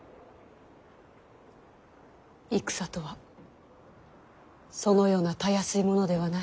戦とはそのようなたやすいものではない。